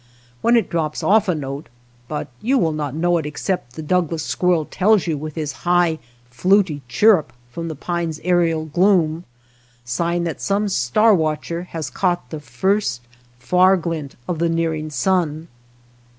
When it drops off a note — but you will not know 193 THE STREETS OF THE MOUNTAINS it except the Douglas squirrel tells you with his high, fluty chirrup from the pines' aerial gloom — sign that some star watcher has caught the first far glint of the nearing sun.